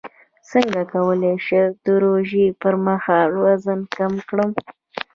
څنګه کولی شم د روژې پر مهال وزن کم کړم